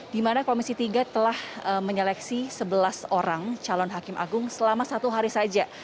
di mana komisi tiga telah menyeleksi sebelas orang calon hakim agung selama satu hari saja